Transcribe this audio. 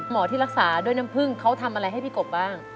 ที่รักษาด้วยน้ำผึ้งเขาทำอะไรให้พี่กบบ้าง